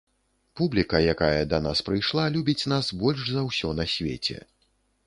Публіка, якая да нас прыйшла, любіць нас больш за ўсё на свеце.